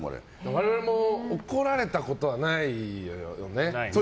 我々も怒られたことはないよね。